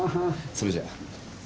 それじゃあ。